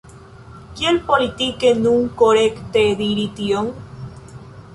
Kiel politike nun korekte diri tion?